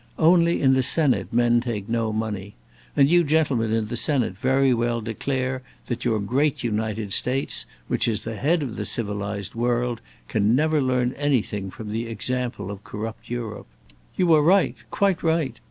Only in the Senate men take no money. And you gentlemen in the Senate very well declare that your great United States, which is the head of the civilized world, can never learn anything from the example of corrupt Europe. You are right quite right!